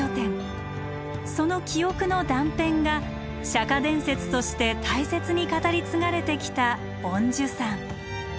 その記憶の断片が釈伝説として大切に語り継がれてきた梵珠山。